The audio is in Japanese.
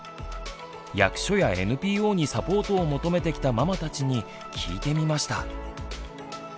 役所やＮＰＯにサポートを求めてきたママたちに聞いてみました。